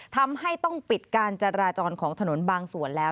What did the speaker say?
ทำให้ต้องปิดการจราจรของถนนบางส่วนแล้ว